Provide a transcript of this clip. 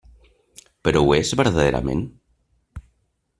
Però ho és verdaderament?